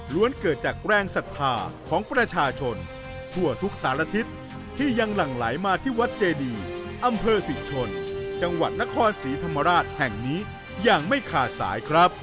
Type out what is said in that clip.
เกิดจากแรงศรัทธาของประชาชนทั่วทุกสารทิศที่ยังหลั่งไหลมาที่วัดเจดีอำเภอศรีชนจังหวัดนครศรีธรรมราชแห่งนี้อย่างไม่ขาดสายครับ